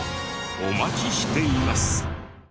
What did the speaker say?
お待ちしています。